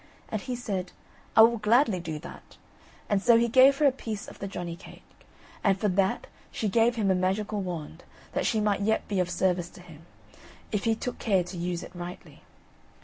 And he said: "I will gladly do that," and so he gave her a piece of the johnny cake; and for that she gave him a magical wand, that she might yet be of service to him, if he took care to use it rightly.